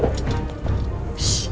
aku juga sama seperti itu